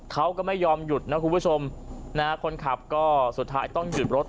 เขาก็ไม่ยอมหยุดนะคุณผู้ชมนะฮะคนขับก็สุดท้ายต้องหยุดรถ